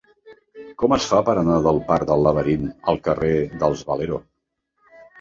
Com es fa per anar del parc del Laberint al carrer dels Valero?